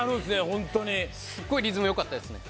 ホントにすっごいリズムよかったですね